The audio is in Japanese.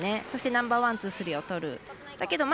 そして、ナンバーワンツー、スリーをとる。